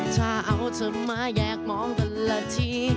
ถ้าเอาเธอมาแยกมองกันละที